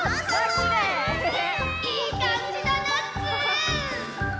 いいかんじだナッツ！